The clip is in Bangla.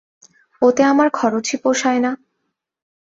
ওতে আমার খরচই পোষায় না।